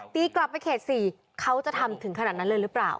ตีกลับไปเขต๔เขาจะทำถึงขนาดนั้นเลยหรือเปล่า